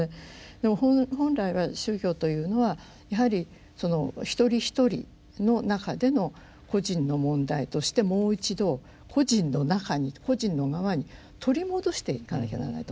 でも本来は宗教というのはやはり一人一人の中での個人の問題としてもう一度個人の中に個人の側に取り戻していかなきゃならないと思うんです。